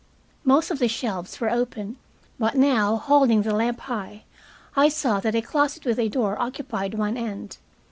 Most of the shelves were open, but now, holding the lamp high, I saw that a closet with a door occupied one end.